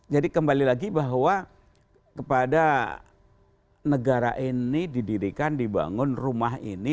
jadi kembali lagi bahwa kepada negara ini didirikan dibangun rumah ini